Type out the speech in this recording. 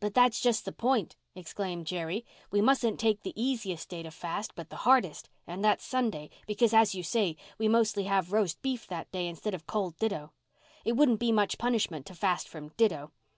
"But that's just the point," exclaimed Jerry. "We mustn't take the easiest day to fast, but the hardest—and that's Sunday, because, as you say, we mostly have roast beef that day instead of cold ditto. It wouldn't be much punishment to fast from ditto.